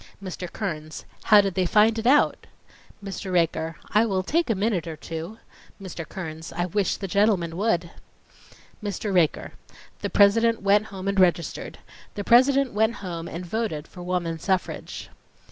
MR. KEARNS: How did they find it out? MR. RAKER: I will take a minute or two— MR. KEARNS: I wish the gentleman would. MR. RAKER: The President went home and registered. The President went home and voted for woman suffrage.